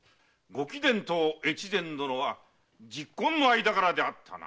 ご貴殿と越前殿は昵懇の間柄であったな？